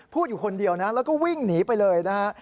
พูดอยู่คนเดียวนะแล้วก็วิ่งหนีไปเลยนะฮะ